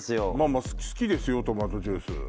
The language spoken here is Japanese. まぁ好きですよトマトジュース。